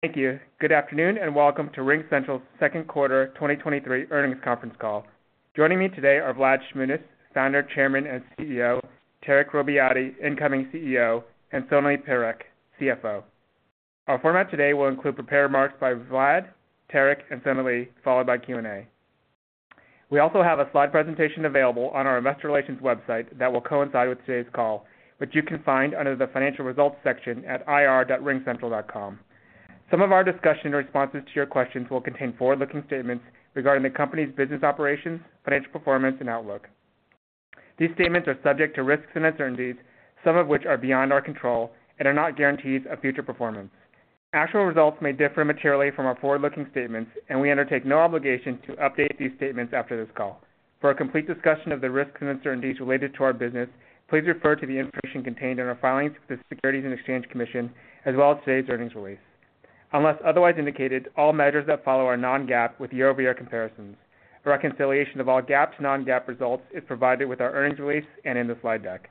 Thank you. Good afternoon, and welcome to RingCentral's second quarter 2023 earnings conference call. Joining me today are Vlad Shmunis, Founder, Chairman, and CEO; Tarek Robbiati, Incoming CEO; and Sonalee Parekh, CFO. Our format today will include prepared remarks by Vlad, Tarek, and Sonalee, followed by Q&A. We also have a slide presentation available on our investor relations website that will coincide with today's call, which you can find under the Financial Results section at ir.ringcentral.com. Some of our discussion and responses to your questions will contain forward-looking statements regarding the company's business operations, financial performance, and outlook. These statements are subject to risks and uncertainties, some of which are beyond our control and are not guarantees of future performance. Actual results may differ materially from our forward-looking statements, and we undertake no obligation to update these statements after this call. For a complete discussion of the risks and uncertainties related to our business, please refer to the information contained in our filings with the Securities and Exchange Commission, as well as today's earnings release. Unless otherwise indicated, all measures that follow are non-GAAP with year-over-year comparisons. A reconciliation of all GAAP to non-GAAP results is provided with our earnings release and in the slide deck.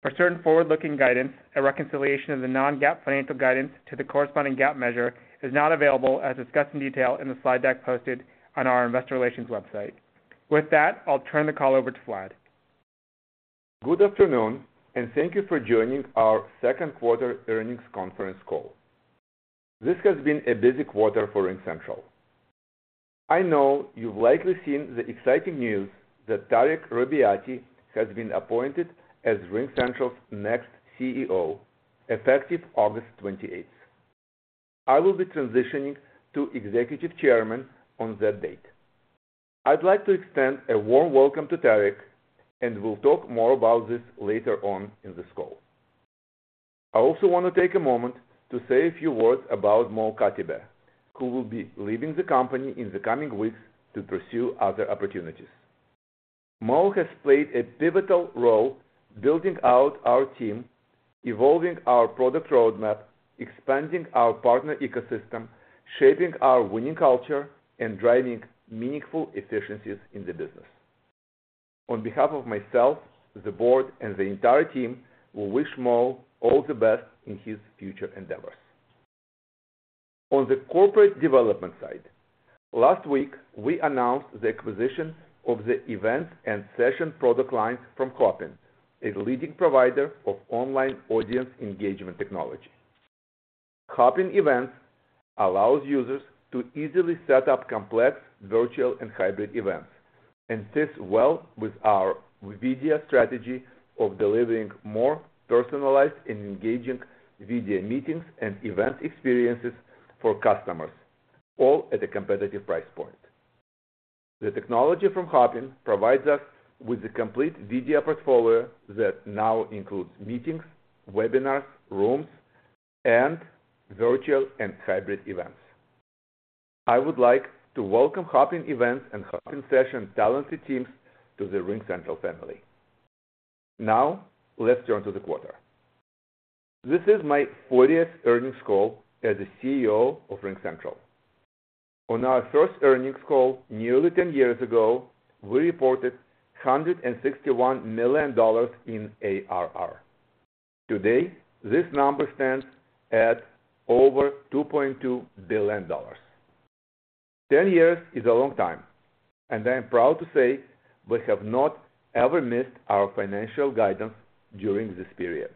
For certain forward-looking guidance, a reconciliation of the non-GAAP financial guidance to the corresponding GAAP measure is not available as discussed in detail in the slide deck posted on our investor relations website. With that, I'll turn the call over to Vlad. Good afternoon, and thank you for joining our second quarter earnings conference call. This has been a busy quarter for RingCentral. I know you've likely seen the exciting news that Tarek Robbiati has been appointed as RingCentral's next CEO, effective August 28th. I will be transitioning to Executive Chairman on that date. I'd like to extend a warm welcome to Tarek, and we'll talk more about this later on in this call. I also want to take a moment to say a few words about Mo Katibeh, who will be leaving the company in the coming weeks to pursue other opportunities. Mo has played a pivotal role building out our team, evolving our product roadmap, expanding our partner ecosystem, shaping our winning culture, and driving meaningful efficiencies in the business. On behalf of myself, the board, and the entire team, we wish Mo all the best in his future endeavors. On the corporate development side, last week, we announced the acquisition of the Events and Session product lines from Hopin, a leading provider of online audience engagement technology. Hopin Events allows users to easily set up complex virtual and hybrid events and fits well with our video strategy of delivering more personalized and engaging video meetings and event experiences for customers, all at a competitive price point. The technology from Hopin provides us with a complete video portfolio that now includes meetings, webinars, rooms, and virtual and hybrid events. I would like to welcome Hopin Events and Hopin Session talented teams to the RingCentral family. Let's turn to the quarter. This is my 40th earnings call as the CEO of RingCentral. On our first earnings call, nearly 10 years ago, we reported $161 million in ARR. Today, this number stands at over $2.2 billion. Ten years is a long time, and I am proud to say we have not ever missed our financial guidance during this period,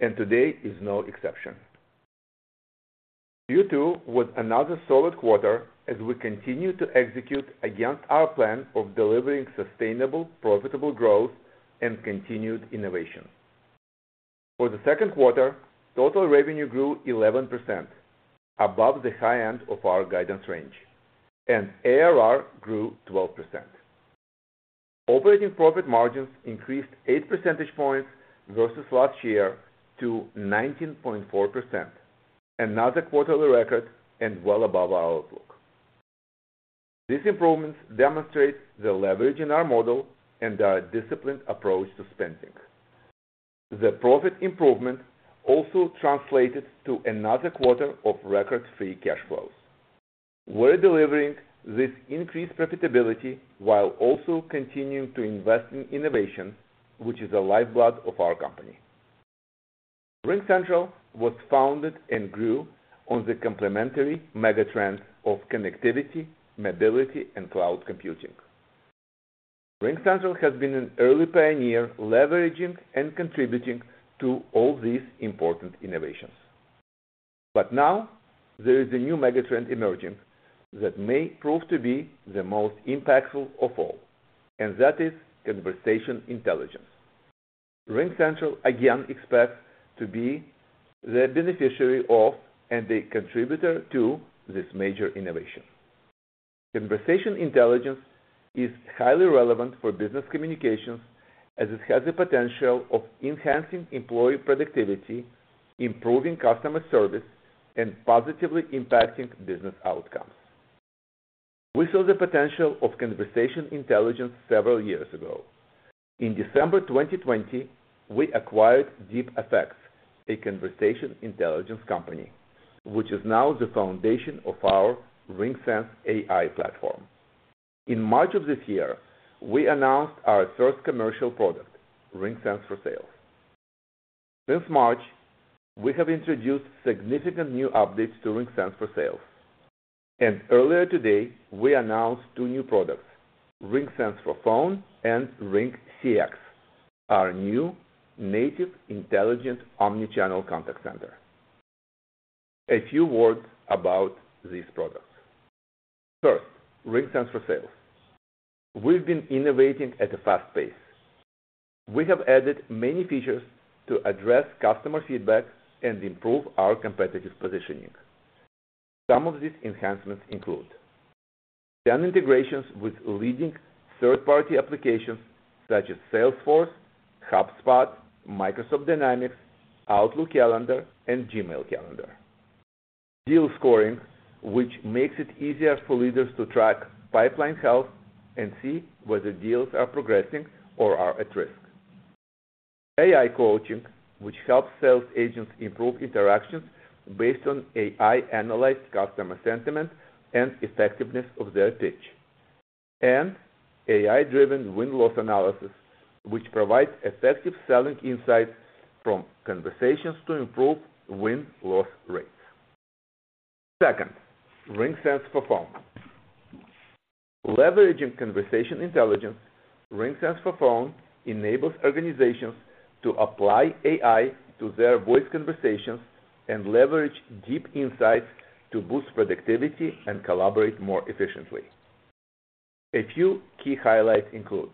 and today is no exception. Q2 was another solid quarter as we continue to execute against our plan of delivering sustainable, profitable growth and continued innovation. For the second quarter, total revenue grew 11%, above the high end of our guidance range, and ARR grew 12%. Operating profit margins increased eight percentage points versus last year to 19.4%, another quarterly record and well above our outlook. These improvements demonstrate the leverage in our model and our disciplined approach to spending. The profit improvement also translated to another quarter of record-free cash flows. We're delivering this increased profitability while also continuing to invest in innovation, which is the lifeblood of our company. RingCentral was founded and grew on the complementary megatrend of connectivity, mobility, and cloud computing. RingCentral has been an early pioneer, leveraging and contributing to all these important innovations. Now there is a new megatrend emerging that may prove to be the most impactful of all, and that is conversation intelligence. RingCentral again expects to be the beneficiary of and a contributor to this major innovation. Conversation intelligence is highly relevant for business communications as it has the potential of enhancing employee productivity, improving customer service, and positively impacting business outcomes. We saw the potential of conversation intelligence several years ago. In December 2020, we acquired DeepAffects, a conversation intelligence company, which is now the foundation of our RingSense AI platform. In March of this year, we announced our first commercial product, RingSense for Sales. Since March, we have introduced significant new updates to RingSense for Sales. Earlier today, we announced 2 new products, RingSense for Phone and RingCX, our new native intelligent omnichannel contact center. A few words about these products. First, RingSense for Sales. We've been innovating at a fast pace. We have added many features to address customer feedback and improve our competitive positioning. Some of these enhancements include: 10 integrations with leading third-party applications such as Salesforce, HubSpot, Microsoft Dynamics, Outlook Calendar, and Gmail Calendar. Deal scoring, which makes it easier for leaders to track pipeline health and see whether deals are progressing or are at risk. AI coaching, which helps sales agents improve interactions based on AI-analyzed customer sentiment and effectiveness of their pitch. AI-driven win-loss analysis, which provides effective selling insights from conversations to improve win-loss rates. Second, RingSense for Phone. Leveraging conversation intelligence, RingSense for Phone enables organizations to apply AI to their voice conversations and leverage deep insights to boost productivity and collaborate more efficiently. A few key highlights include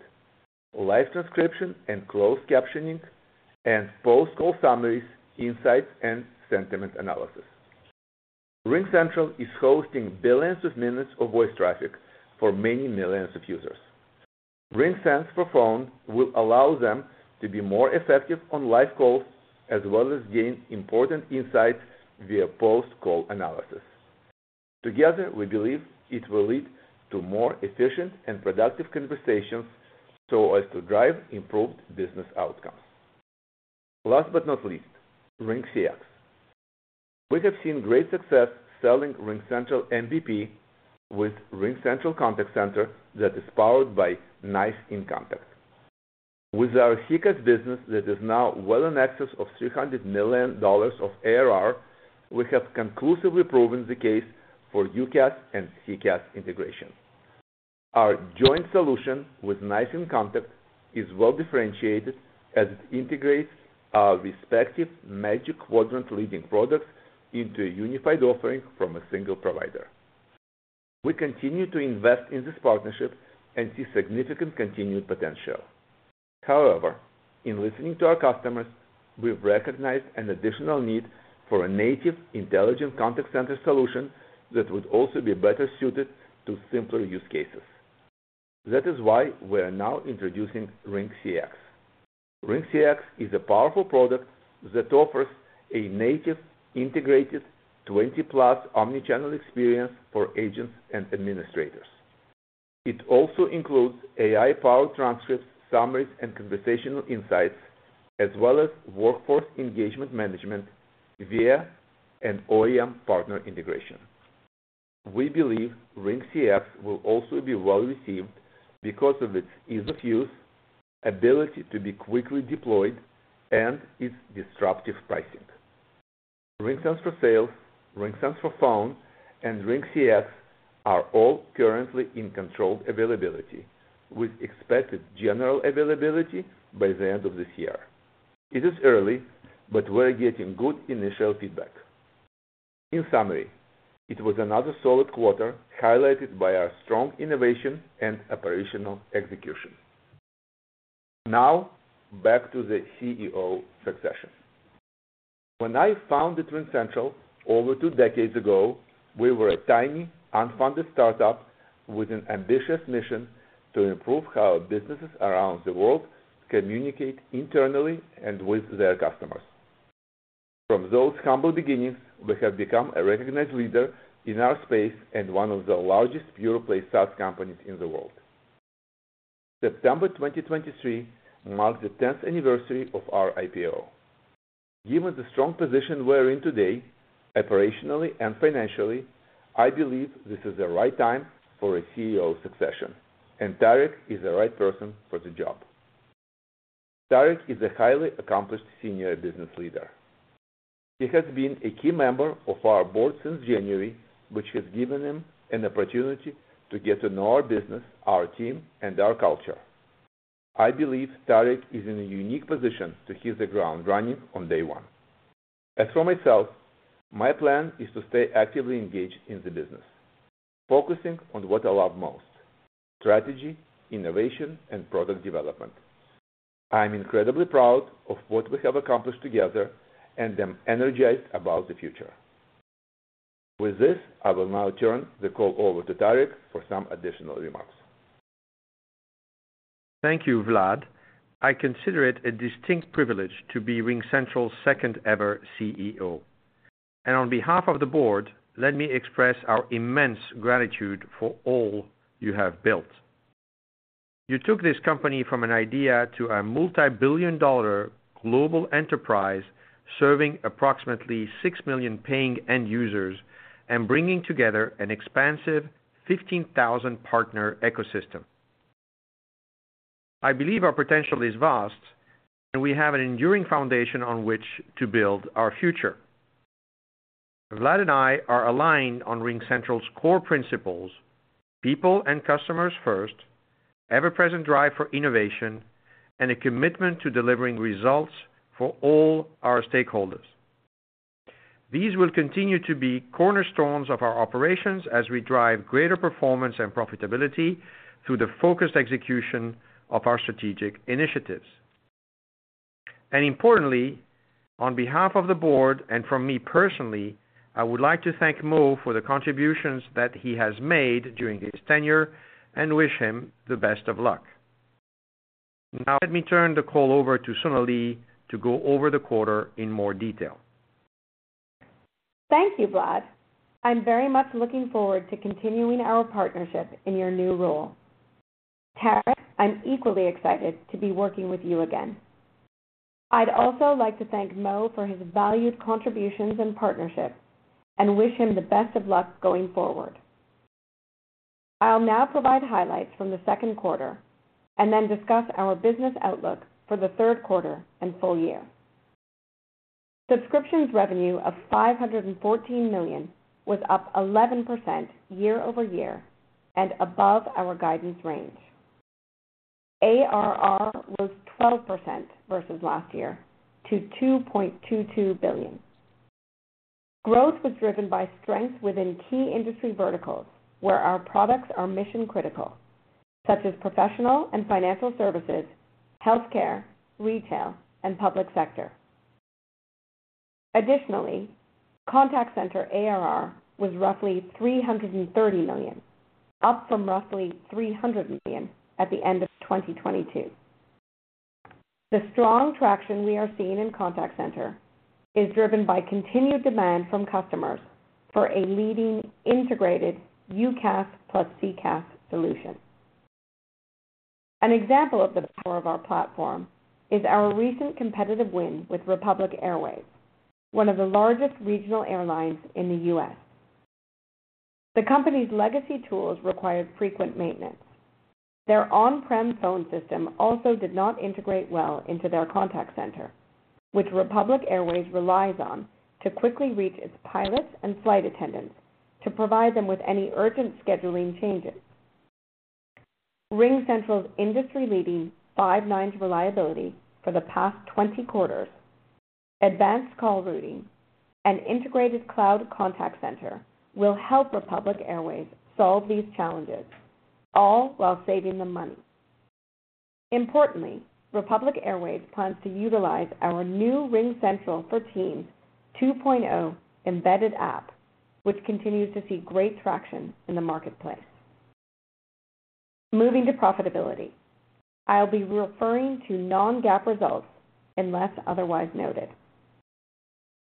live transcription and closed captioning, and post-call summaries, insights, and sentiment analysis. RingCentral is hosting billions of minutes of voice traffic for many millions of users. RingSense for Phone will allow them to be more effective on live calls, as well as gain important insights via post-call analysis. Together, we believe it will lead to more efficient and productive conversations, so as to drive improved business outcomes. Last but not least, RingCX. We have seen great success selling RingCentral MVP with RingCentral Contact Center that is powered by NICE inContact. With our CCaaS business that is now well in excess of $300 million of ARR, we have conclusively proven the case for UCaaS and CCaaS integration. Our joint solution with NICE inContact is well differentiated as it integrates our respective Magic Quadrant leading products into a unified offering from a single provider. We continue to invest in this partnership and see significant continued potential. In listening to our customers, we've recognized an additional need for a native, intelligent contact center solution that would also be better suited to simpler use cases. That is why we are now introducing RingCX. RingCX is a powerful product that offers a native, integrated, 20-plus omni-channel experience for agents and administrators. It also includes AI-powered transcripts, summaries, and conversational insights, as well as workforce engagement management via an OEM partner integration. We believe RingCX will also be well-received because of its ease of use, ability to be quickly deployed, and its disruptive pricing. RingSense for Sales, RingSense for Phone, and RingCX are all currently in controlled availability, with expected general availability by the end of this year. It is early, but we're getting good initial feedback. In summary, it was another solid quarter, highlighted by our strong innovation and operational execution. Now, back to the CEO succession. When I founded RingCentral over two decades ago, we were a tiny, unfunded startup with an ambitious mission to improve how businesses around the world communicate internally and with their customers. From those humble beginnings, we have become a recognized leader in our space and one of the largest pure-play SaaS companies in the world. September 2023 marked the tenth anniversary of our IPO. Given the strong position we're in today, operationally and financially, I believe this is the right time for a CEO succession, and Tarek is the right person for the job. Tarek is a highly accomplished senior business leader. He has been a key member of our board since January, which has given him an opportunity to get to know our business, our team, and our culture. I believe Tarek is in a unique position to hit the ground running on day one. As for myself, my plan is to stay actively engaged in the business, focusing on what I love most: strategy, innovation, and product development. I'm incredibly proud of what we have accomplished together and am energized about the future. With this, I will now turn the call over to Tarek for some additional remarks. Thank you, Vlad. I consider it a distinct privilege to be RingCentral's second-ever CEO. On behalf of the board, let me express our immense gratitude for all you have built. You took this company from an idea to a multi-billion dollar global enterprise, serving approximately 6 million paying end users and bringing together an expansive 15,000 partner ecosystem. I believe our potential is vast, and we have an enduring foundation on which to build our future. Vlad and I are aligned on RingCentral's core principles, people and customers first, ever-present drive for innovation, and a commitment to delivering results for all our stakeholders. These will continue to be cornerstones of our operations as we drive greater performance and profitability through the focused execution of our strategic initiatives. Importantly, on behalf of the board, and from me personally, I would like to thank Mo for the contributions that he has made during his tenure, and wish him the best of luck. Now, let me turn the call over to Sonalee to go over the quarter in more detail. Thank you, Vlad. I'm very much looking forward to continuing our partnership in your new role. Tarek, I'm equally excited to be working with you again. I'd also like to thank Mo for his valued contributions and partnership, and wish him the best of luck going forward. I'll now provide highlights from the second quarter, and then discuss our business outlook for the third quarter and full year. Subscriptions revenue of $514 million was up 11% year-over-year and above our guidance range. ARR was 12% versus last year to $2.22 billion. Growth was driven by strength within key industry verticals, where our products are mission-critical, such as professional and financial services, healthcare, retail, and public sector. Additionally, contact center ARR was roughly $330 million, up from roughly $300 million at the end of 2022. The strong traction we are seeing in Contact Center is driven by continued demand from customers for a leading integrated UCaaS plus CCaaS solution. An example of the power of our platform is our recent competitive win with Republic Airways, one of the largest regional airlines in the U.S. The company's legacy tools required frequent maintenance. Their on-prem phone system also did not integrate well into their Contact Center, which Republic Airways relies on to quickly reach its pilots and flight attendants, to provide them with any urgent scheduling changes. RingCentral's industry-leading five nines reliability for the past 20 quarters, advanced call routing, and integrated cloud Contact Center will help Republic Airways solve these challenges, all while saving them money. Importantly, Republic Airways plans to utilize our new RingCentral for Teams 2.0 embedded app, which continues to see great traction in the marketplace. Moving to profitability, I'll be referring to non-GAAP results unless otherwise noted.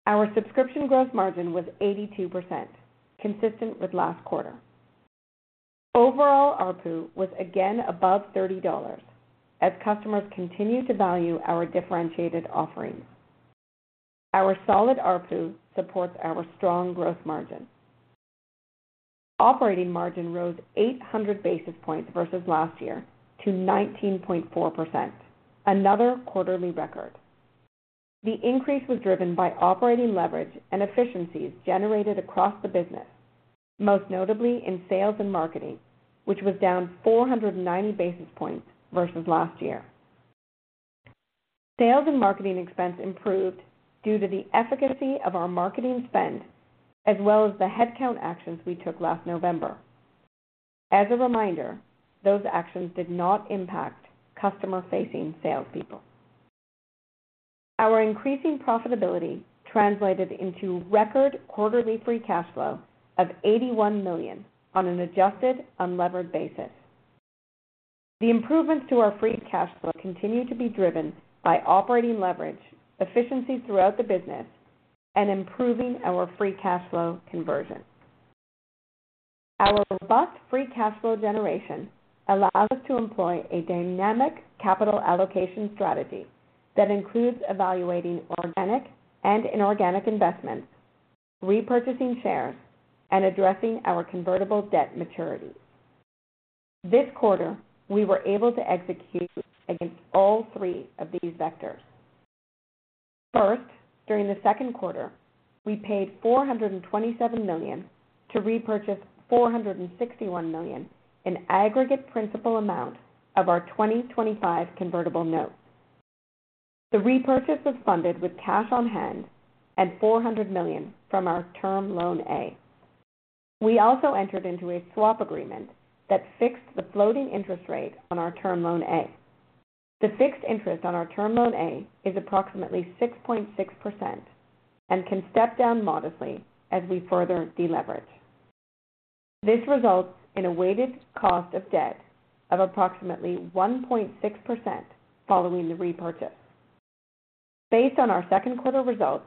Our subscription growth margin was 82%, consistent with last quarter. Overall, ARPU was again above $30, as customers continue to value our differentiated offerings. Our solid ARPU supports our strong growth margin. Operating margin rose 800 basis points versus last year to 19.4%, another quarterly record. The increase was driven by operating leverage and efficiencies generated across the business, most notably in sales and marketing, which was down 490 basis points versus last year. Sales and marketing expense improved due to the efficacy of our marketing spend, as well as the headcount actions we took last November. As a reminder, those actions did not impact customer-facing salespeople. Our increasing profitability translated into record quarterly free cash flow of $81 million on an adjusted, unlevered basis. The improvements to our free cash flow continue to be driven by operating leverage, efficiency throughout the business, and improving our free cash flow conversion. Our robust free cash flow generation allows us to employ a dynamic capital allocation strategy that includes evaluating organic and inorganic investments, repurchasing shares, and addressing our convertible debt maturities. This quarter, we were able to execute against all three of these vectors. First, during the second quarter, we paid $427 million to repurchase $461 million in aggregate principal amount of our 2025 convertible notes. The repurchase was funded with cash on hand and $400 million from our Term Loan A. We also entered into a swap agreement that fixed the floating interest rate on our Term Loan A. The fixed interest on our Term Loan A is approximately 6.6% and can step down modestly as we further deleverage. This results in a weighted cost of debt of approximately 1.6% following the repurchase. Based on our second quarter results,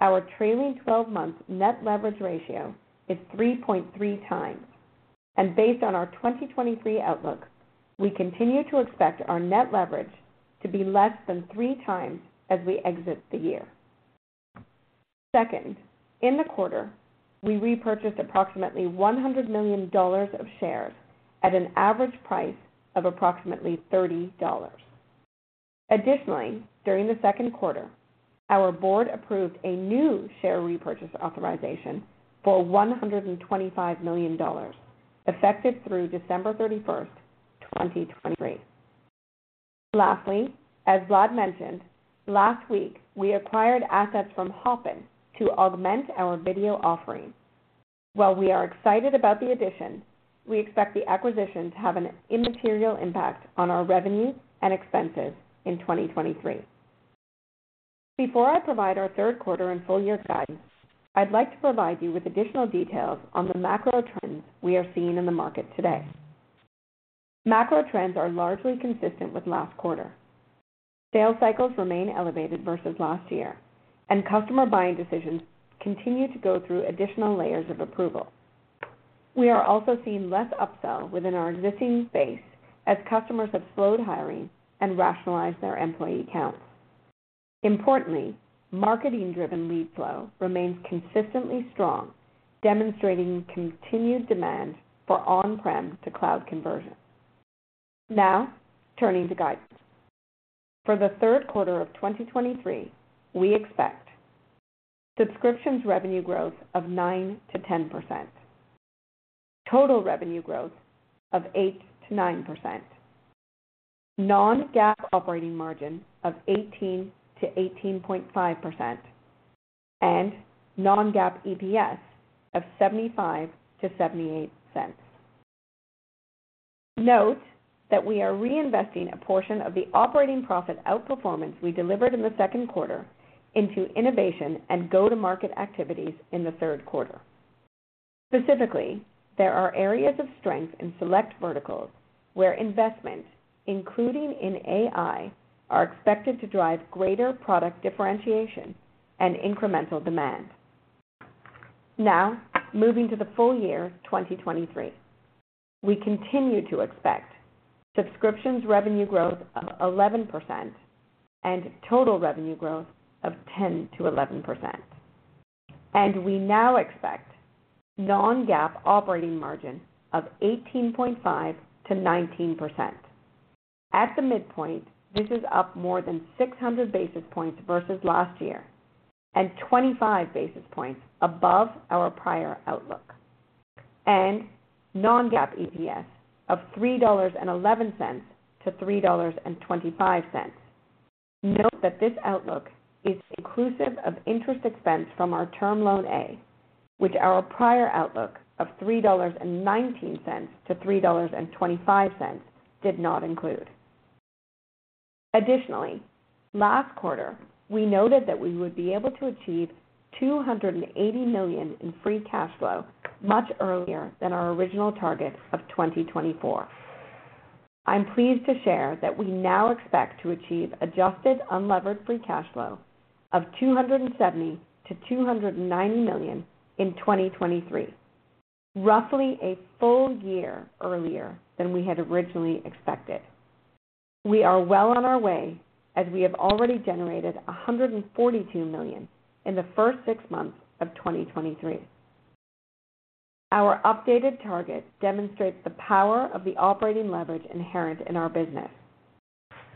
our trailing twelve-month net leverage ratio is 3.3x, and based on our 2023 outlook, we continue to expect our net leverage to be less than 3x as we exit the year. Second, in the quarter, we repurchased approximately $100 million of shares at an average price of approximately $30. Additionally, during the second quarter, our board approved a new share repurchase authorization for $125 million, effective through December 31st, 2023. Lastly, as Vlad mentioned, last week, we acquired assets from Hopin to augment our video offering. While we are excited about the addition, we expect the acquisition to have an immaterial impact on our revenue and expenses in 2023. Before I provide our third quarter and full year guidance, I'd like to provide you with additional details on the macro trends we are seeing in the market today. Macro trends are largely consistent with last quarter. Sales cycles remain elevated versus last year, and customer buying decisions continue to go through additional layers of approval. We are also seeing less upsell within our existing base as customers have slowed hiring and rationalized their employee counts. Importantly, marketing-driven lead flow remains consistently strong, demonstrating continued demand for on-prem to cloud conversion. Now, turning to guidance. For the third quarter of 2023, we expect subscriptions revenue growth of 9%-10%, total revenue growth of 8%-9%, non-GAAP operating margin of 18%-18.5%, and non-GAAP EPS of $0.75-$0.78. Note that we are reinvesting a portion of the operating profit outperformance we delivered in the second quarter into innovation and go-to-market activities in the third quarter. Specifically, there are areas of strength in select verticals where investment, including in AI, are expected to drive greater product differentiation and incremental demand. Now, moving to the full year, 2023, we continue to expect subscriptions revenue growth of 11% and total revenue growth of 10%-11%. We now expect non-GAAP operating margin of 18.5%-19%. At the midpoint, this is up more than 600 basis points versus last year and 25 basis points above our prior outlook. Non-GAAP EPS of $3.11-$3.25. Note that this outlook is inclusive of interest expense from our Term Loan A, which our prior outlook of $3.19-$3.25 did not include. Additionally, last quarter, we noted that we would be able to achieve $280 million in free cash flow much earlier than our original target of 2024. I'm pleased to share that we now expect to achieve adjusted unlevered free cash flow of $270 million-$290 million in 2023, roughly a full year earlier than we had originally expected. We are well on our way as we have already generated $142 million in the first six months of 2023. Our updated target demonstrates the power of the operating leverage inherent in our business.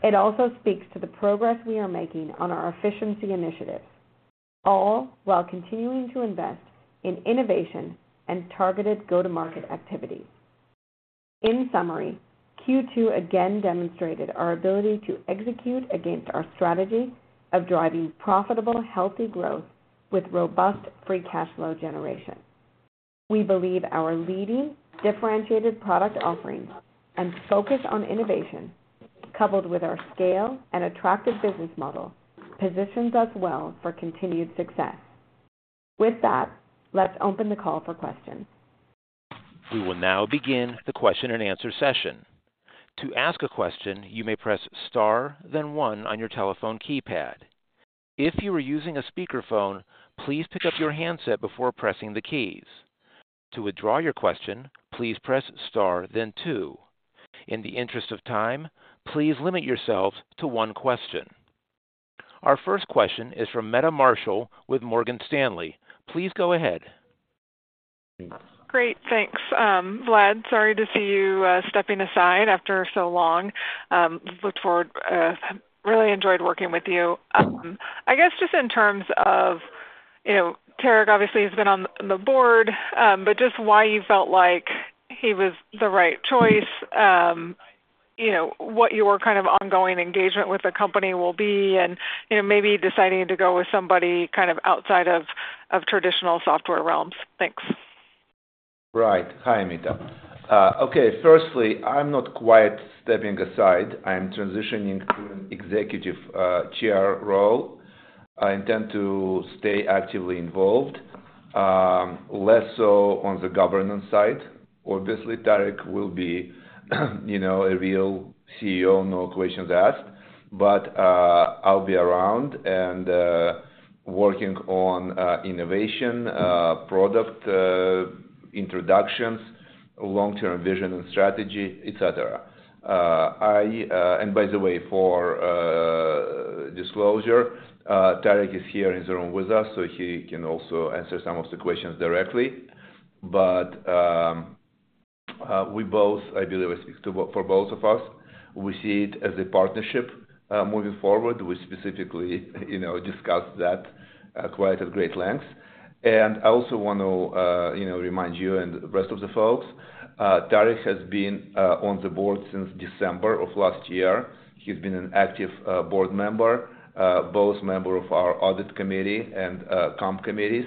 It also speaks to the progress we are making on our efficiency initiatives, all while continuing to invest in innovation and targeted go-to-market activities. In summary, Q2 again demonstrated our ability to execute against our strategy of driving profitable, healthy growth with robust free cash flow generation. We believe our leading differentiated product offerings and focus on innovation, coupled with our scale and attractive business model, positions us well for continued success. With that, let's open the call for questions. We will now begin the question and answer session. To ask a question, you may press star, then one on your telephone keypad. If you are using a speakerphone, please pick up your handset before pressing the keys. To withdraw your question, please press star, then two. In the interest of time, please limit yourselves to one question. Our first question is from Meta Marshall with Morgan Stanley. Please go ahead. Great, thanks. Vlad, sorry to see you stepping aside after so long. Look forward... really enjoyed working with you. I guess just in terms of, you know, Tarek obviously has been on the, on the board, but just why you felt like he was the right choice, you know, what your kind of ongoing engagement with the company will be and, you know, maybe deciding to go with somebody kind of outside of, of traditional software realms. Thanks. Right. Hi, Meta. Okay, firstly, I'm not quite stepping aside. I'm transitioning to an executive chair role. I intend to stay actively involved, less so on the governance side. Obviously, Tarek will be, you know, a real CEO, no questions asked. I'll be around and working on innovation, product introductions, long-term vision and strategy, et cetera. I... By the way, for-... disclosure. Tarek is here in the room with us, so he can also answer some of the questions directly. We both, I believe I speak to both for both of us, we see it as a partnership moving forward. We specifically, you know, discussed that quite at great length. I also want to, you know, remind you and the rest of the folks, Tarek has been on the board since December of last year. He's been an active board member, both member of our audit committee and comp committees.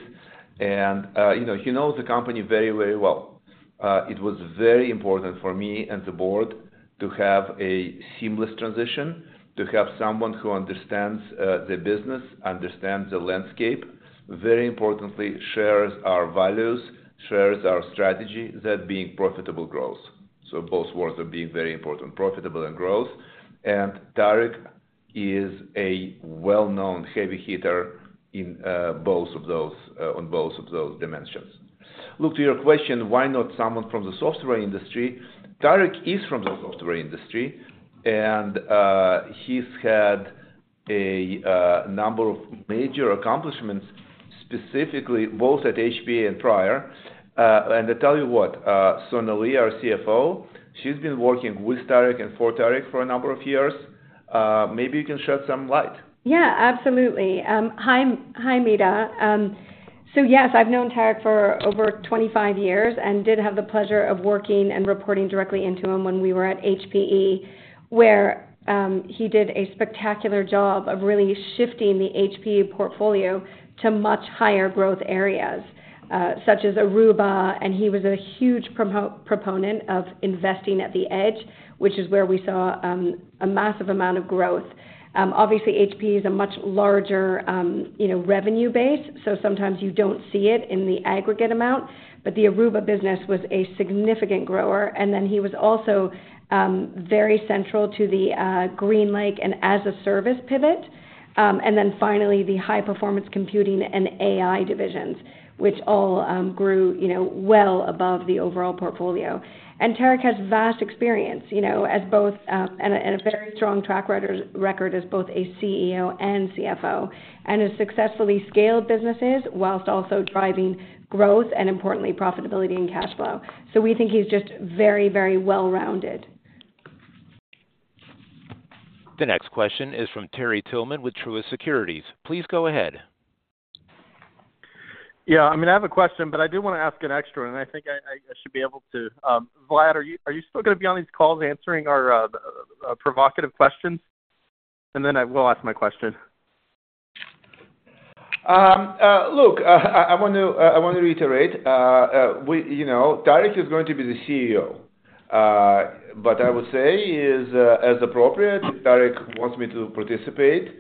He knows the company very, very well. It was very important for me and the board to have a seamless transition, to have someone who understands the business, understands the landscape, very importantly, shares our values, shares our strategy, that being profitable growth. Both words are being very important, profitable and growth. Tarek is a well-known heavy hitter in both of those on both of those dimensions. Look, to your question, why not someone from the software industry? Tarek is from the software industry, and he's had a number of major accomplishments, specifically both at HPE and prior. To tell you what, Sonalee, our CFO, she's been working with Tarek and for Tarek for a number of years. Maybe you can shed some light. Yeah, absolutely. Hi, hi, Meta. So yes, I've known Tarek for over 25 years and did have the pleasure of working and reporting directly into him when we were at HPE, where he did a spectacular job of really shifting the HPE portfolio to much higher growth areas, such as Aruba, and he was a huge proponent of investing at the edge, which is where we saw a massive amount of growth. Obviously, HPE is a much larger, you know, revenue base, so sometimes you don't see it in the aggregate amount, but the Aruba business was a significant grower. He was also very central to the GreenLake and as a service pivot. Finally, the high-performance computing and AI divisions, which all grew, you know, well above the overall portfolio. Tarek has vast experience, you know, as both, and a very strong track record as both a CEO and CFO, and has successfully scaled businesses whilst also driving growth and importantly, profitability and cash flow. We think he's just very, very well-rounded. The next question is from Terry Tillman with Truist Securities. Please go ahead. Yeah, I mean, I have a question, but I do want to ask an extra, and I think I, I, I should be able to. Vlad, are you, are you still going to be on these calls answering our provocative questions? Then I will ask my question. Look, I, I want to, I want to reiterate, you know, Tarek is going to be the CEO, but I would say is, as appropriate, Tarek wants me to participate,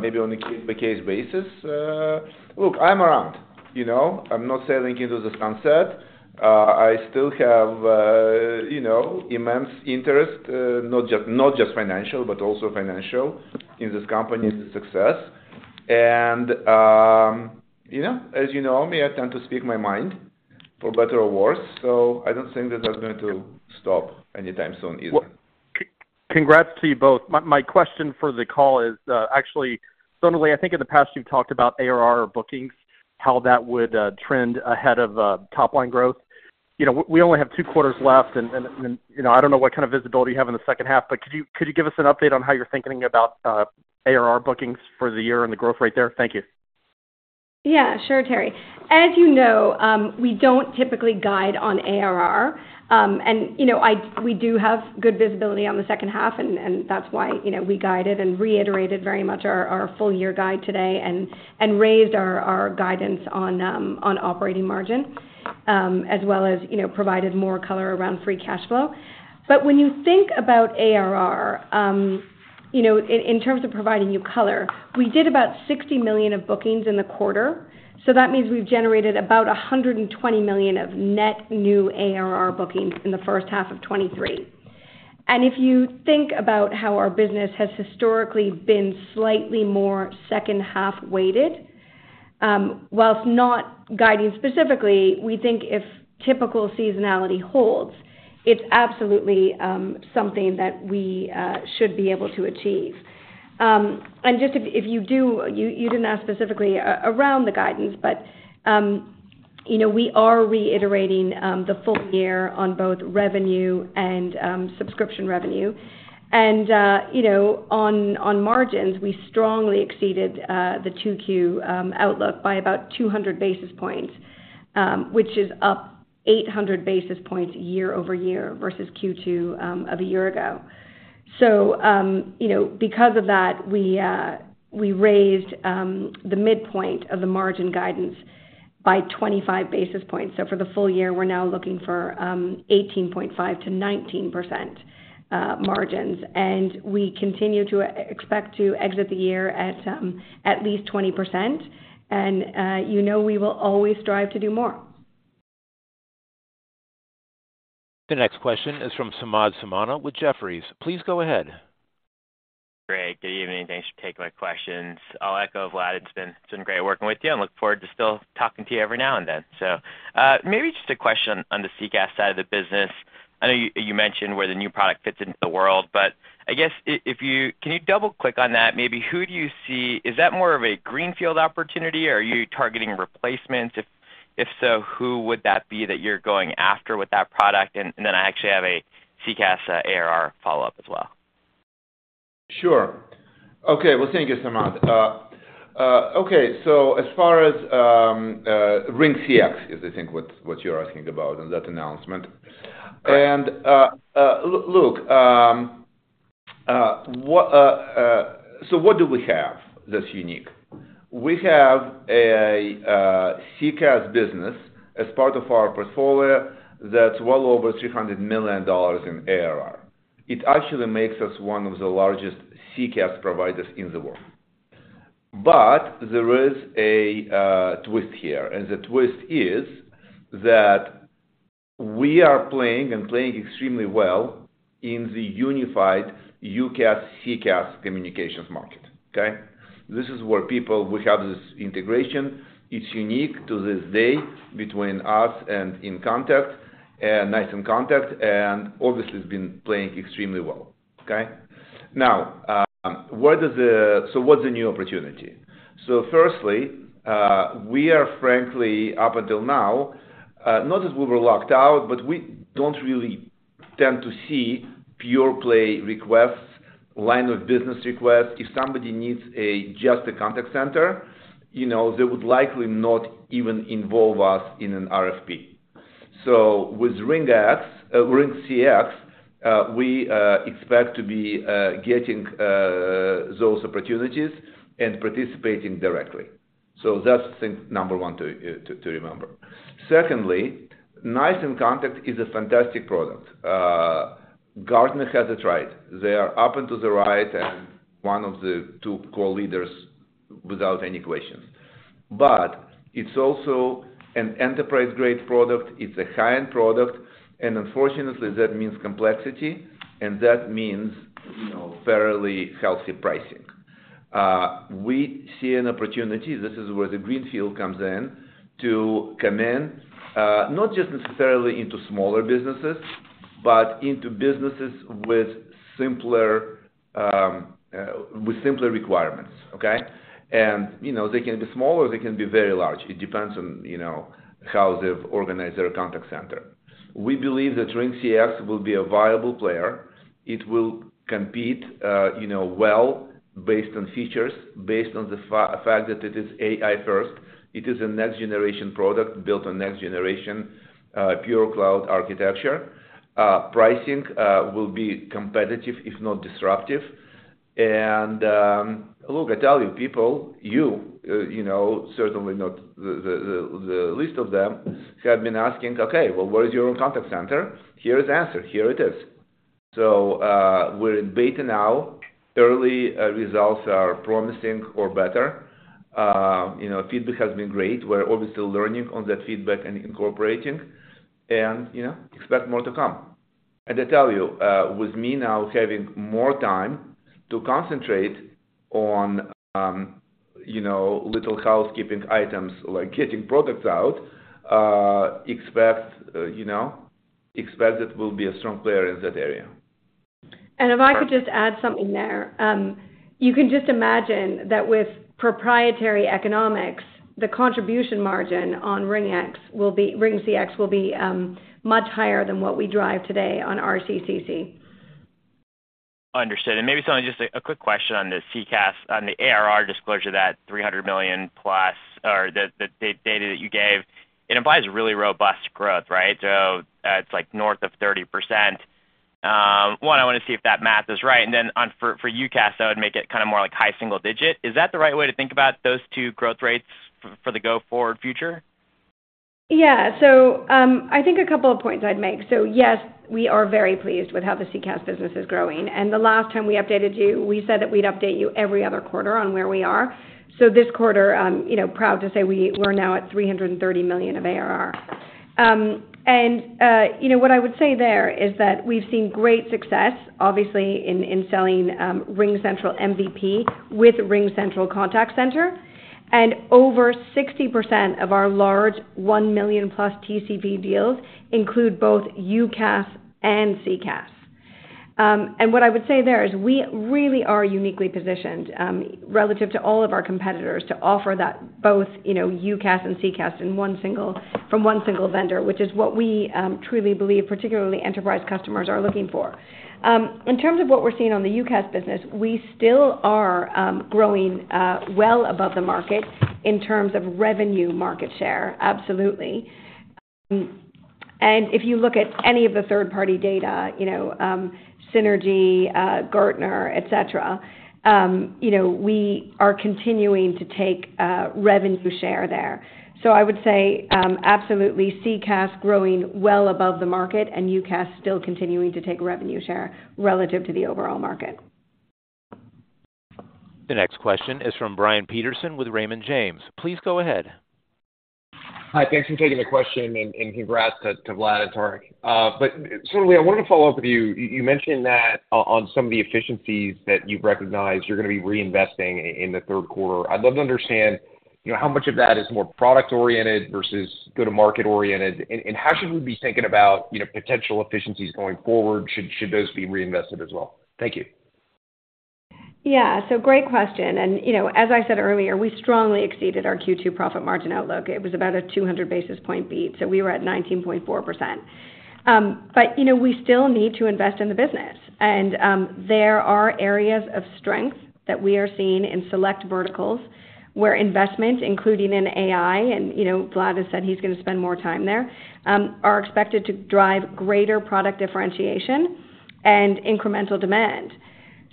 maybe on a case-by-case basis. Look, I'm around, you know? I'm not sailing into the sunset. I still have, you know, immense interest, not just, not just financial, but also financial, in this company's success. You know, as you know me, I tend to speak my mind, for better or worse, so I don't think that that's going to stop anytime soon, either. Well, congrats to you both. My question for the call is, actually, Sonalee, I think in the past you've talked about ARR bookings, how that would trend ahead of top-line growth. You know, we only have two quarters left, and, you know, I don't know what kind of visibility you have in the second half, but could you give us an update on how you're thinking about ARR bookings for the year and the growth rate there? Thank you. Yeah, sure, Terry. As you know, we don't typically guide on ARR. We do have good visibility on the second half, and that's why, you know, we guided and reiterated very much our, our full year guide today and raised our, our guidance on operating margin, as well as, you know, provided more color around free cash flow. When you think about ARR, you know, in, in terms of providing you color, we did about $60 million of bookings in the quarter. That means we've generated about $120 million of net new ARR bookings in the first half of 2023. If you think about how our business has historically been slightly more second half weighted, whilst not guiding specifically, we think if typical seasonality holds, it's absolutely something that we should be able to achieve. Just if you didn't ask specifically around the guidance, but, you know, we are reiterating the full year on both revenue and subscription revenue. You know, on margins, we strongly exceeded the 2Q outlook by about 200 basis points, which is up 800 basis points year-over-year versus Q2 of a year ago. You know, because of that, we raised the midpoint of the margin guidance by 25 basis points. For the full year, we're now looking for 18.5%-19% margins. We continue to expect to exit the year at at least 20%, and, you know we will always strive to do more. The next question is from Samad Samana with Jefferies. Please go ahead. Great. Good evening, thanks for taking my questions. I'll echo Vlad, it's been, it's been great working with you, and look forward to still talking to you every now and then. Maybe just a question on the seat cost side of the business. I know you, you mentioned where the new product fits into the world, but I guess if you can double-click on that? Maybe who do you see, is that more of a greenfield opportunity, or are you targeting replacements? If, if so, who would that be that you're going after with that product? Then I actually have a CCaaS ARR follow-up as well. Sure. Okay, well, thank you, Samad. As far as RingCX, is I think what, what you're asking about in that announcement. Look, what do we have that's unique? We have a CCaaS business as part of our portfolio that's well over $300 million in ARR. It actually makes us one of the largest CCaaS providers in the world. There is a twist here, and the twist is that we are playing, and playing extremely well, in the unified UCaaS, CCaaS communications market, okay. This is where people-- we have this integration. It's unique to this day between us and in contact, NICE inContact, and obviously, it's been playing extremely well. Okay. Now, what is the-- what's the new opportunity? Firstly, we are frankly, up until now, not as we were locked out, but we don't really tend to see pure play requests, line of business requests. If somebody needs a, just a contact center, you know, they would likely not even involve us in an RFP. With RingCX, RingCX, we expect to be getting those opportunities and participating directly. That's the thing number one to to remember. Secondly, NICE inContact is a fantastic product. Gartner has it right. They are up into the right and one of the two co-leaders without any question. It's also an enterprise-grade product. It's a high-end product, and unfortunately, that means complexity, and that means, you know, fairly healthy pricing. We see an opportunity, this is where the greenfield comes in, to come in, not just necessarily into smaller businesses, but into businesses with simpler requirements, okay? You know, they can be small, or they can be very large. It depends on, you know, how they've organized their contact center. We believe that RingCX will be a viable player. It will compete, you know, well based on features, based on the fact that it is AI first. It is a next-generation product built on next-generation, pure cloud architecture. Pricing will be competitive, if not disruptive. Look, I tell you, people, you, you know, certainly not the, the, the, the least of them, have been asking: "Okay, well, where is your own contact center?" Here is the answer. Here it is. We're in beta now. Early results are promising or better. You know, feedback has been great. We're obviously learning on that feedback and incorporating, and, you know, expect more to come. I tell you, with me now having more time to concentrate on, you know, little housekeeping items, like getting products out, expect, you know, expect it will be a strong player in that area. If I could just add something there. You can just imagine that with proprietary economics, the contribution margin on RingCX will be RingCX, will be much higher than what we drive today on RCCC. Understood. Maybe, Sonalee, just a quick question on the CCaaS, on the ARR disclosure, that $300+ million or the data that you gave, it implies really robust growth, right? It's like north of 30%. One, I want to see if that math is right, and then for UCaaS, that would make it kind of more like high single-digit. Is that the right way to think about those two growth rates for the go-forward future? Yeah. I think a couple of points I'd make. Yes, we are very pleased with how the CCaaS business is growing. The last time we updated you, we said that we'd update you every other quarter on where we are. This quarter, you know, proud to say we're now at $330 million of ARR. And, you know, what I would say there is that we've seen great success, obviously, in, in selling RingCentral MVP with RingCentral Contact Center. Over 60% of our large 1 million plus TCP deals include both UCaaS and CCaaS. What I would say there is we really are uniquely positioned, relative to all of our competitors, to offer that both, you know, UCaaS and CCaaS in one single-- from one single vendor, which is what we truly believe, particularly enterprise customers, are looking for. In terms of what we're seeing on the UCaaS business, we still are growing well above the market in terms of revenue market share, absolutely. If you look at any of the third-party data, you know, Synergy, Gartner, et cetera, you know, we are continuing to take revenue share there. I would say, absolutely, CCaaS growing well above the market, and UCaaS still continuing to take revenue share relative to the overall market. The next question is from Brian Peterson with Raymond James. Please go ahead. Hi, thanks for taking the question, and, and congrats to, to Vlad and Tarek. Sonalee, I wanted to follow up with you. You, you mentioned that on some of the efficiencies that you've recognized, you're going to be reinvesting in the third quarter. I'd love to understand, you know, how much of that is more product-oriented versus go-to-market oriented? How should we be thinking about, you know, potential efficiencies going forward, should, should those be reinvested as well? Thank you. Yeah. Great question. You know, as I said earlier, we strongly exceeded our Q2 profit margin outlook. It was about a 200 basis point beat, so we were at 19.4%. You know, we still need to invest in the business. There are areas of strength that we are seeing in select verticals where investment, including in AI, and, you know, Vlad has said he's gonna spend more time there, are expected to drive greater product differentiation and incremental demand.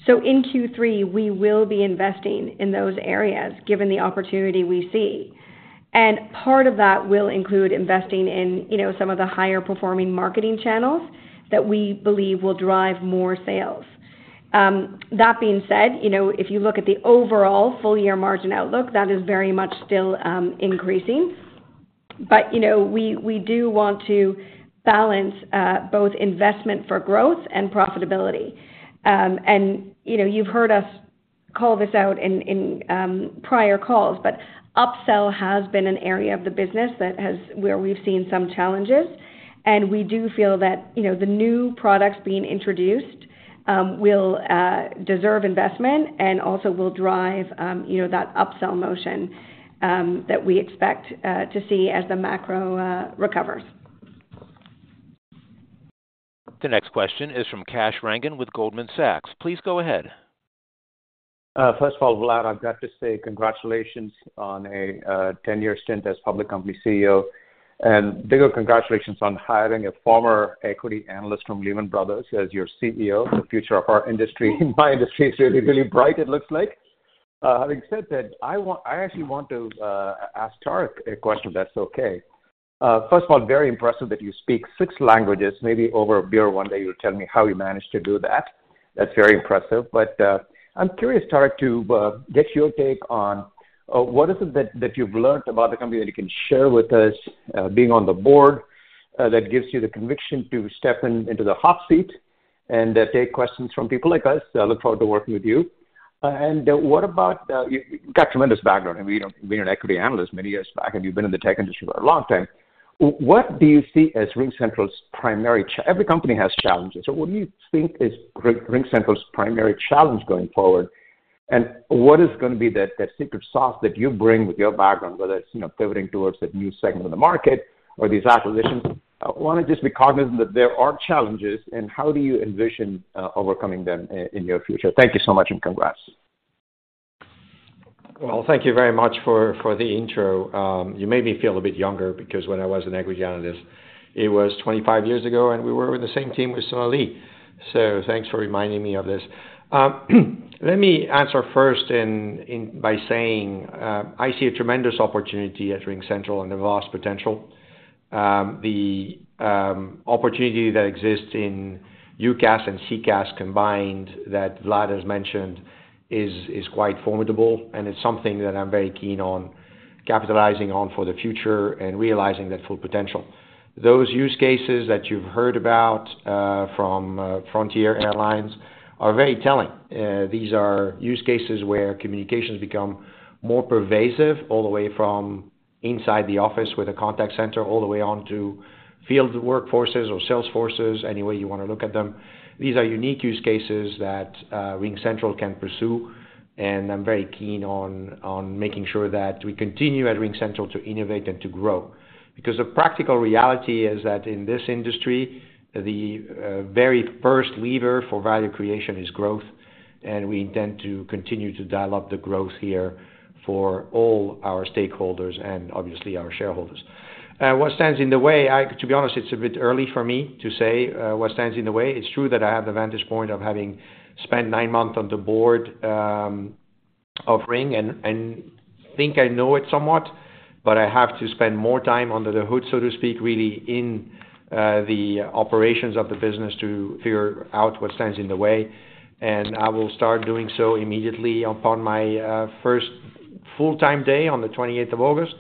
In Q3, we will be investing in those areas, given the opportunity we see. Part of that will include investing in, you know, some of the higher-performing marketing channels that we believe will drive more sales. That being said, you know, if you look at the overall full-year margin outlook, that is very much still increasing. You know, we, we do want to balance both investment for growth and profitability. You know, you've heard us call this out in, in prior calls, but upsell has been an area of the business where we've seen some challenges, and we do feel that, you know, the new products being introduced will deserve investment and also will drive, you know, that upsell motion that we expect to see as the macro recovers. The next question is from Kash Rangan with Goldman Sachs. Please go ahead. First of all, Vlad, I've got to say congratulations on a 10-year stint as public company CEO. Bigger congratulations on hiring a former equity analyst from Lehman Brothers as your CEO. The future of our industry, my industry, is really, really bright, it looks like. Having said that, I actually want to ask Tarek a question, if that's okay. First of all, very impressive that you speak six languages. Maybe over a beer one day, you'll tell me how you managed to do that. That's very impressive. I'm curious, Tarek, to get your take on what is it that, that you've learned about the company that you can share with us, being on the board, that gives you the conviction to step into the hot seat and take questions from people like us? I look forward to working with you. What about... You, you've got tremendous background. I mean, you know, being an equity analyst many years back, and you've been in the tech industry for a long time. What do you see as RingCentral's primary challenge? Every company has challenges, so what do you think is RingCentral's primary challenge going forward? What is gonna be the, the secret sauce that you bring with your background, whether it's, you know, pivoting towards a new segment of the market or these acquisitions? I wanna just be cognizant that there are challenges, and how do you envision overcoming them in your future? Thank you so much. Congrats. Well, thank you very much for, for the intro. You made me feel a bit younger because when I was an equity analyst, it was 25 years ago, and we were with the same team with Sonalee. Thanks for reminding me of this. Let me answer first in by saying, I see a tremendous opportunity at RingCentral and a vast potential. The opportunity that exists in UCaaS and CCaaS combined, that Vlad has mentioned, is, is quite formidable, and it's something that I'm very keen on capitalizing on for the future and realizing that full potential. Those use cases that you've heard about from Frontier Airlines are very telling. These are use cases where communications become more pervasive all the way from inside the office with a contact center, all the way on to field workforces or sales forces, any way you wanna look at them. These are unique use cases that RingCentral can pursue, and I'm very keen on, on making sure that we continue at RingCentral to innovate and to grow. Because the practical reality is that in this industry, the very first lever for value creation is growth, and we intend to continue to dial up the growth here for all our stakeholders and obviously our shareholders. What stands in the way? To be honest, it's a bit early for me to say what stands in the way. It's true that I have the vantage point of having spent nine months on the board of Ring, and think I know it somewhat, but I have to spend more time under the hood, so to speak, really in the operations of the business to figure out what stands in the way. I will start doing so immediately upon my first full-time day on the 28th of August.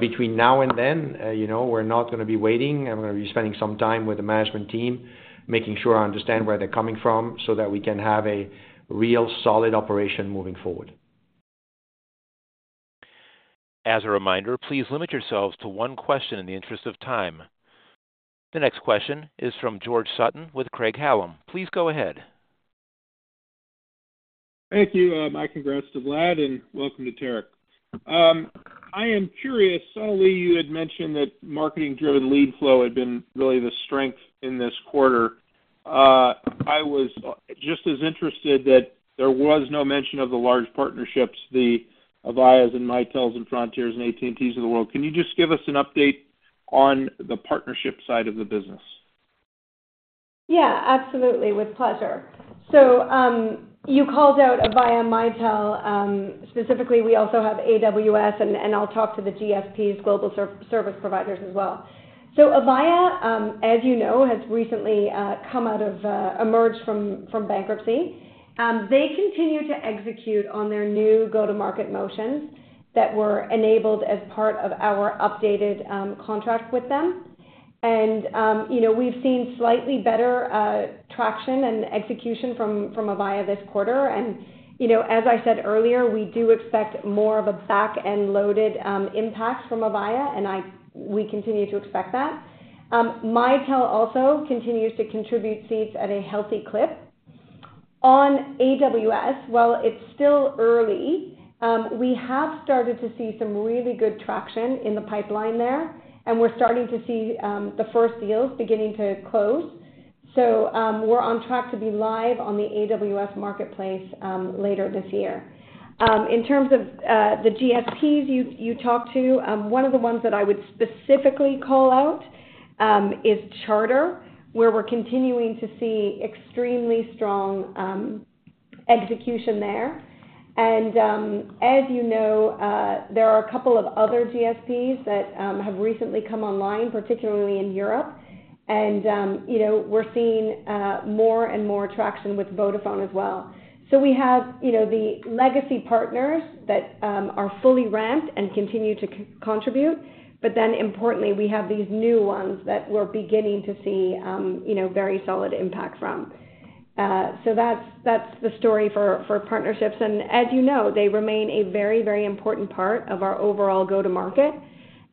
Between now and then, you know, we're not gonna be waiting. I'm gonna be spending some time with the management team, making sure I understand where they're coming from, so that we can have a real solid operation moving forward. As a reminder, please limit yourselves to one question in the interest of time. The next question is from George Sutton with Craig-Hallum. Please go ahead. Thank you. My congrats to Vlad, and welcome to Tarek. I am curious, Sonalee, you had mentioned that marketing-driven lead flow had been really the strength in this quarter. I was just as interested that there was no mention of the large partnerships, the Avayas and Mitels and Frontiers and AT&Ts of the world. Can you just give us an update on the partnership side of the business? Yeah, absolutely, with pleasure. you called out Avaya, Mitel, specifically, we also have AWS, and I'll talk to the GSPs, Global Service Providers as well. Avaya, as you know, has recently emerged from bankruptcy. They continue to execute on their new go-to-market motions that were enabled as part of our updated contract with them. you know, we've seen slightly better traction and execution from Avaya this quarter. you know, as I said earlier, we do expect more of a back-end loaded impact from Avaya, and we continue to expect that. Mitel also continues to contribute seats at a healthy clip. On AWS, while it's still early, we have started to see some really good traction in the pipeline there, and we're starting to see the first deals beginning to close. We're on track to be live on the AWS Marketplace later this year. In terms of the GSPs you, you talked to, one of the ones that I would specifically call out is Charter, where we're continuing to see extremely strong execution there. As you know, there are a couple of other GSPs that have recently come online, particularly in Europe. You know, we're seeing more and more traction with Vodafone as well. We have, you know, the legacy partners that are fully ramped and continue to contribute, but then importantly, we have these new ones that we're beginning to see, you know, very solid impact from. That's, that's the story for, for partnerships. As you know, they remain a very, very important part of our overall go-to market.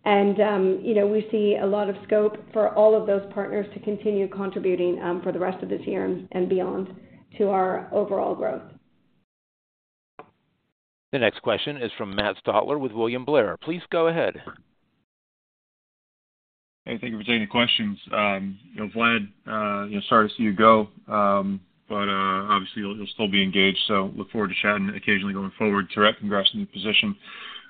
You know, we see a lot of scope for all of those partners to continue contributing for the rest of this year and, and beyond to our overall growth. The next question is from Matt Stotler with William Blair. Please go ahead. Hey, thank you for taking the questions. You know, Vlad, you know, sorry to see you go, but obviously you'll, you'll still be engaged, so look forward to chatting occasionally going forward. Tarek, congrats on the new position.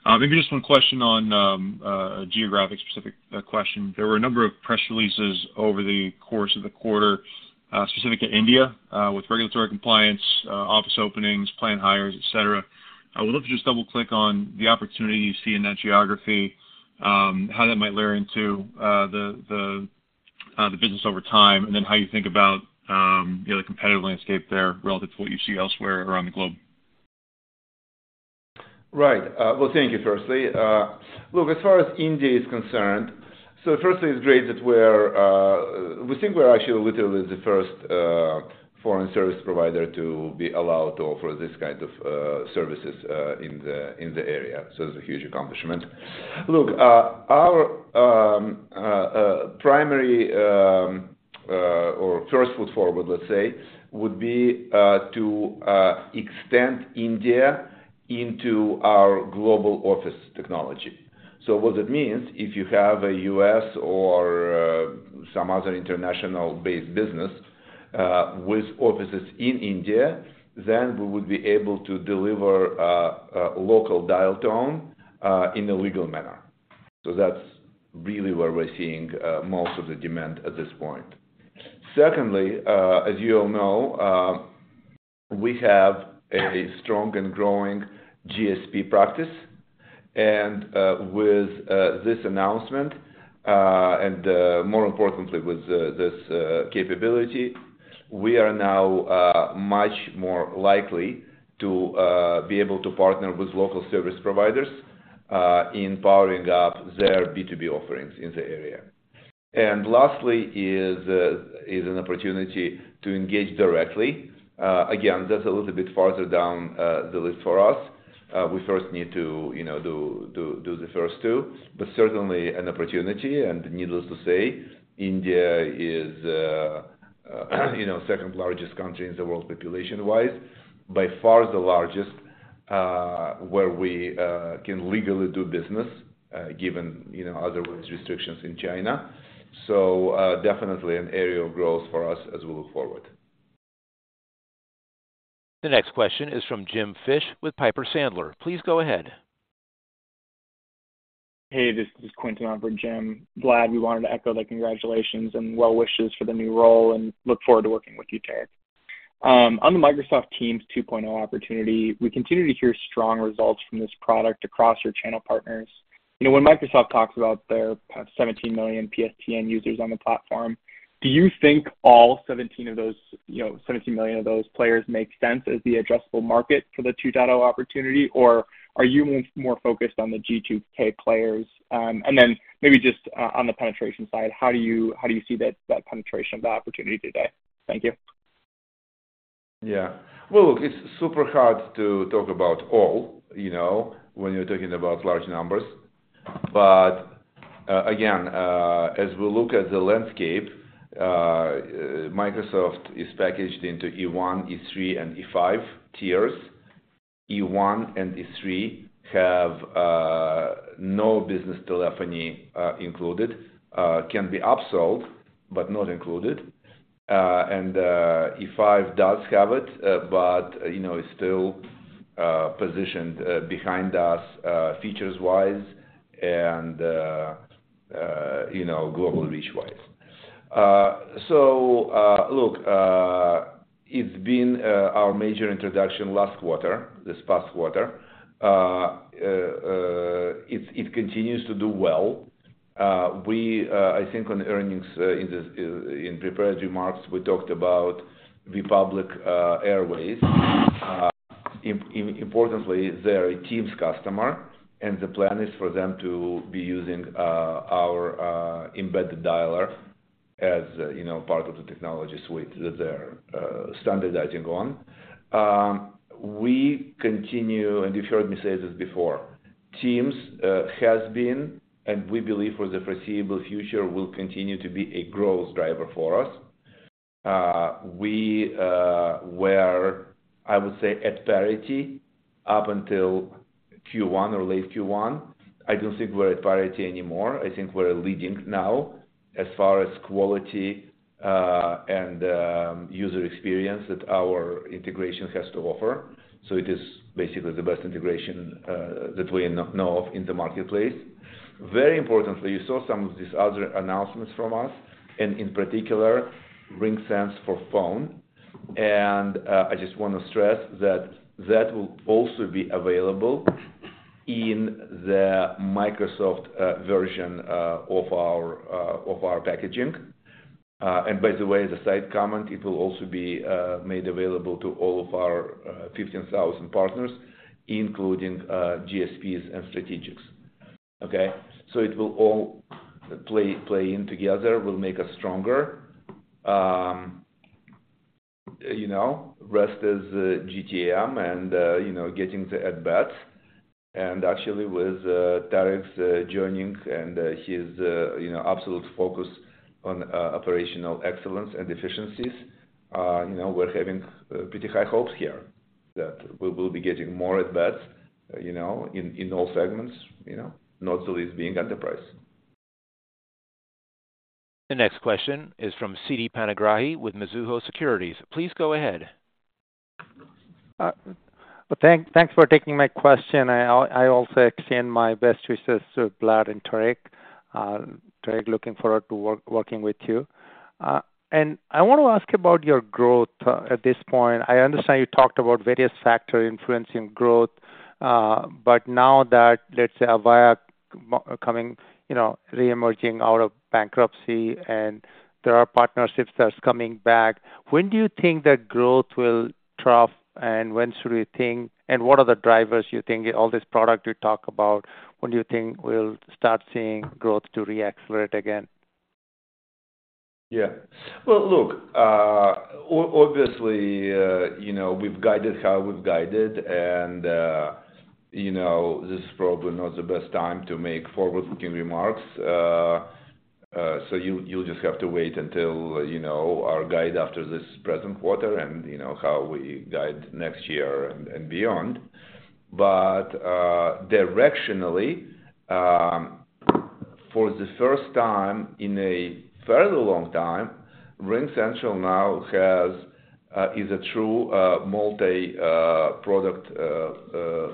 Maybe just 1 question on a geographic-specific question. There were a number of press releases over the course of the quarter, specific to India, with regulatory compliance, office openings, planned hires, et cetera. I would love to just double-click on the opportunity you see in that geography, how that might layer into the, the, the business over time, and then how you think about, you know, the competitive landscape there relative to what you see elsewhere around the globe. Right. Well, thank you, firstly. Look, as far as India is concerned, firstly, it's great that we think we're actually literally the first foreign service provider to be allowed to offer this kind of services in the area, so it's a huge accomplishment. Look, our primary or first foot forward, let's say, would be to extend India into our global office technology. What it means, if you have a U.S. or some other international-based business with offices in India, then we would be able to deliver a local dial tone in a legal manner. That's really where we're seeing most of the demand at this point. Secondly, as you all know, we have a strong and growing GSP practice. With this announcement, and more importantly, with this capability, we are now much more likely to be able to partner with local service providers in powering up their B2B offerings in the area. Lastly is an opportunity to engage directly. Again, that's a little bit farther down the list for us. We first need to, you know, do, do, do the first two, but certainly an opportunity. Needless to say, India is, you know, second-largest country in the world, population-wise. By far the largest, where we can legally do business, given, you know, other restrictions in China. Definitely an area of growth for us as we look forward. The next question is from Jim Fish with Piper Sandler. Please go ahead. Hey, this is Quentin on for Jim. Vlad, we wanted to echo the congratulations and well wishes for the new role and look forward to working with you, Tarek. On the Microsoft Teams 2.0 opportunity, we continue to hear strong results from this product across your channel partners. You know, when Microsoft talks about their 17 million PSTN users on the platform, do you think all 17 of those, you know, 17 million of those players make sense as the addressable market for the 2.0 opportunity, or are you more focused on the G2K players? Then maybe just on the penetration side, how do you, how do you see that, that penetration of the opportunity today? Thank you. Yeah. Well, look, it's super hard to talk about all, you know, when you're talking about large numbers. Again, as we look at the landscape, Microsoft is packaged into E1, E3, and E5 tiers. E1 and E3 have no business telephony included. Can be upsold, but not included. E5 does have it, but, you know, it's still positioned behind us, features-wise, and, you know, global reach-wise. Look, it's been our major introduction last quarter, this past quarter. It continues to do well. We, I think on earnings, in this, in prepared remarks, we talked about Republic Airways... Importantly, they're a Teams customer, and the plan is for them to be using, our embedded dialer as, you know, part of the technology suite that they're standardizing on. We continue, and you've heard me say this before, Teams has been, and we believe for the foreseeable future, will continue to be a growth driver for us. We were, I would say, at parity up until Q1 or late Q1. I don't think we're at parity anymore. I think we're leading now as far as quality, and user experience that our integration has to offer, so it is basically the best integration that we know of in the marketplace. Very importantly, you saw some of these other announcements from us, and in particular, RingSense for Phone. I just want to stress that that will also be available in the Microsoft version of our packaging. By the way, as a side comment, it will also be made available to all of our 15,000 partners, including GSPs and strategics. Okay? It will all play, play in together, will make us stronger. You know, rest is GTM and, you know, getting the at bat. Actually, with Tarek's joining and his, you know, absolute focus on operational excellence and efficiencies, you know, we're having pretty high hopes here that we will be getting more at bats, you know, in all segments, you know, not the least being enterprise. The next question is from Siti Panigrahi with Mizuho Securities. Please go ahead. Well, thank, thanks for taking my question. I, I also extend my best wishes to Vlad and Tarek. Tarek, looking forward to work- working with you. I want to ask about your growth at this point. I understand you talked about various factors influencing growth, but now that, let's say, Avaya m- coming... You know, reemerging out of bankruptcy and there are partnerships that's coming back, when do you think the growth will trough, and when should we think-- What are the drivers you think all this product you talk about, when do you think we'll start seeing growth to reaccelerate again? Yeah. Well, look, obviously, you know, we've guided how we've guided and, you know, this is probably not the best time to make forward-looking remarks. You, you'll just have to wait until, you know, our guide after this present quarter and, you know, how we guide next year and, and beyond. Directionally, for the first time in a fairly long time, RingCentral now has is a true multi-product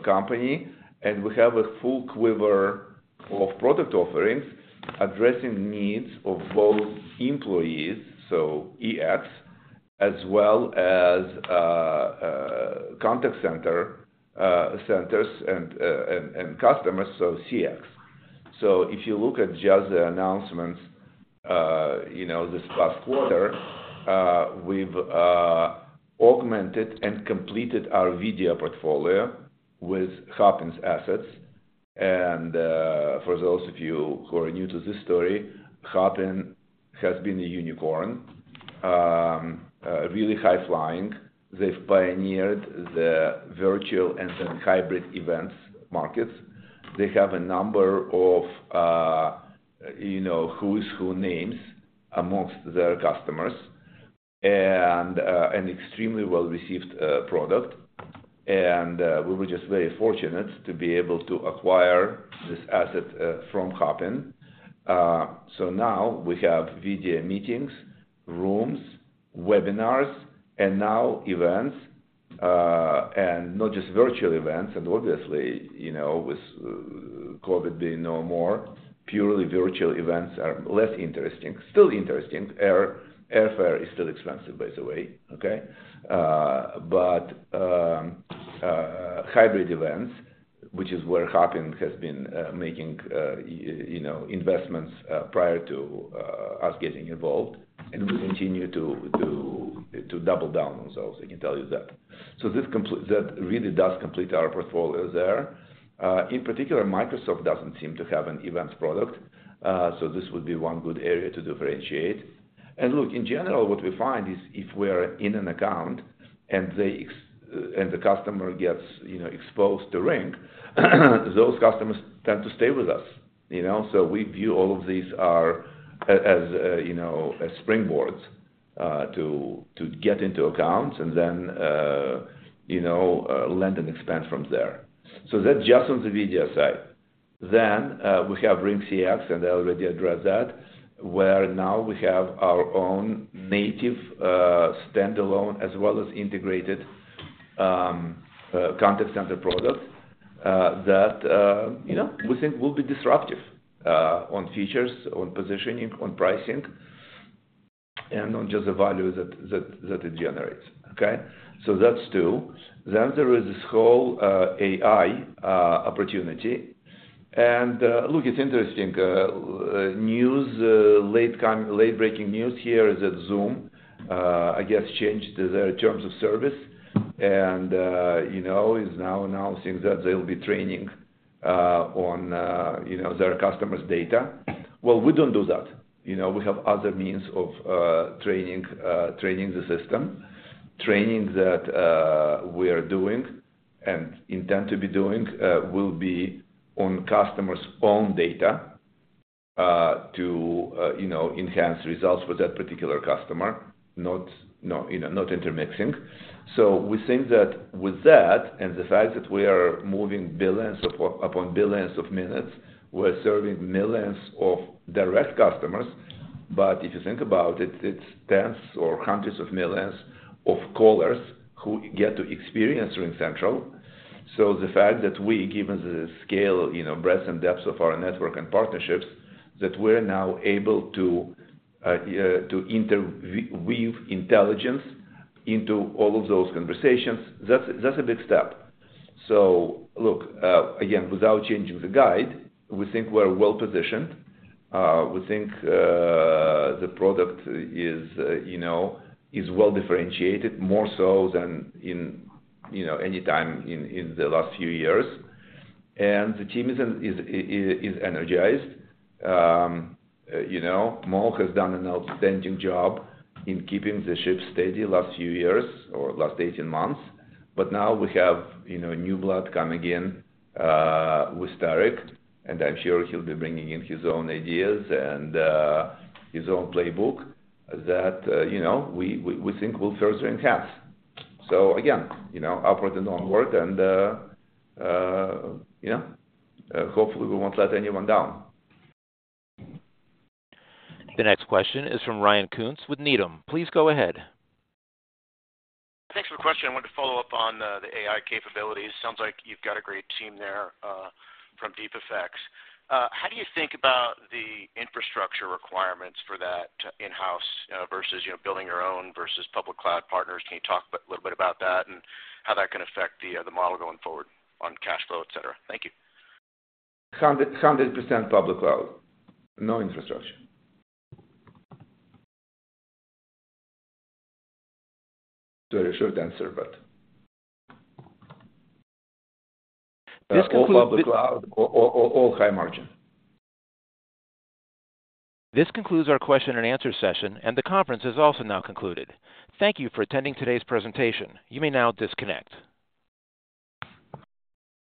company, and we have a full quiver of product offerings addressing needs of both employees, so EX, as well as contact center centers and, and customers, so CX. If you look at just the announcements, you know, this past quarter, we've augmented and completed our video portfolio with Hopin's assets. For those of you who are new to this story, Hopin has been a unicorn, really high flying. They've pioneered the virtual and then hybrid events markets. They have a number of, you know, who's who names amongst their customers and an extremely well-received product. We were just very fortunate to be able to acquire this asset from Hopin. Now we have video meetings, rooms, webinars, and now events and not just virtual events. Obviously, you know, with COVID being no more, purely virtual events are less interesting. Still interesting. Air-airfare is still expensive, by the way, okay? Hybrid events, which is where Hopin has been making, you know, investments prior to us getting involved, and we continue to, to, to double down. I can tell you that. This comple-- That really does complete our portfolio there. In particular, Microsoft doesn't seem to have an events product, so this would be one good area to differentiate. Look, in general, what we find is if we're in an account and they ex- and the customer gets, you know, exposed to Ring, those customers tend to stay with us, you know? We view all of these are as, you know, as springboards, to, to get into accounts and then, you know, lend and expand from there. That's just on the video side. We have RingCX, and I already addressed that, where now we have our own native, standalone as well as integrated, contact center product, that, you know, we think will be disruptive, on features, on positioning, on pricing, and on just the value that, that, that it generates, okay? So that's two. There is this whole, AI opportunity. Look, it's interesting, news late coming-late-breaking news here is that Zoom, I guess, changed their terms of service and, you know, is now announcing that they will be training... on, you know, their customers' data. Well, we don't do that. You know, we have other means of, training, training the system. Training that we are doing and intend to be doing will be on customer's own data to, you know, enhance results for that particular customer, not, no, you know, not intermixing. We think that with that, and the fact that we are moving billions upon, upon billions of minutes, we're serving millions of direct customers. If you think about it, it's tens or hundreds of millions of callers who get to experience RingCentral. The fact that we, given the scale, you know, breadth and depth of our network and partnerships, that we're now able to interweave intelligence into all of those conversations, that's, that's a big step. Look, again, without changing the guide, we think we're well positioned. We think, you know, the product is, you know, is well differentiated, more so than in, you know, any time in, in the last few years. The team is in, is, is, is energized. You know, Mo has done an outstanding job in keeping the ship steady last few years or last 18 months. Now we have, you know, new blood coming in, with Tarek, and I'm sure he'll be bringing in his own ideas and, his own playbook that, you know, we, we, we think will further enhance. Again, you know, upward and onward, and, you know, hopefully, we won't let anyone down. The next question is from Ryan Koontz with Needham. Please go ahead. Thanks for the question. I wanted to follow up on the AI capabilities. Sounds like you've got a great team there, from DeepAffects. How do you think about the infrastructure requirements for that in-house, versus, you know, building your own versus public cloud partners? Can you talk a little bit about that and how that can affect the model going forward on cash flow, et cetera? Thank you. 100%, 100% public cloud. No infrastructure. Very short answer, but- This concludes- All public cloud, all, all, all high margin. This concludes our question and answer session, and the conference is also now concluded. Thank you for attending today's presentation. You may now disconnect.